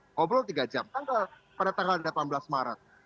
ngobrol tiga jam pada tanggal delapan belas maret